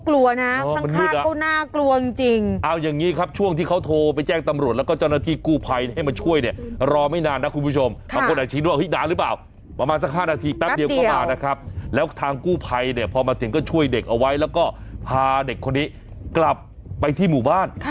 แล้วทางกู้ภัยเนี่ยพอมาเตี๋ยงก็ช่วยเด็กเอาไว้แล้วก็พาเด็กคนนี้กลับไปที่หมู่บ้าน